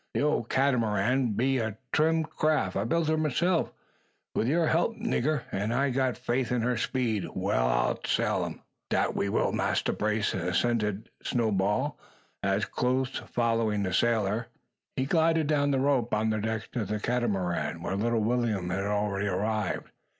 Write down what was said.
The ole Catamaran be a trim craft. I built her myself, wi' your help, nigger; an' I've got faith in her speed. We'll outsail 'em yet." "Dat we will, Massa Brace," assented Snowball, as, close following the sailor, he glided down the rope on to the deck of the Catamaran, where little William had already arrived.